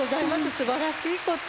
すばらしいこと。